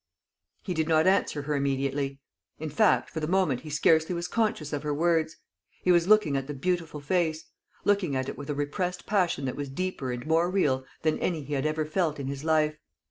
He did not answer her immediately; in fact, for the moment he scarcely was conscious of her words. He was looking at the beautiful face looking at it with a repressed passion that was deeper and more real than any he had ever felt in his life.